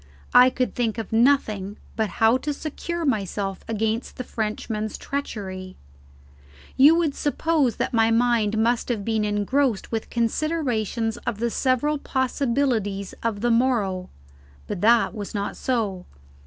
I could think of nothing but how to secure myself against the Frenchman's treachery. You would suppose that my mind must have been engrossed with considerations of the several possibilities of the morrow; but that was not so.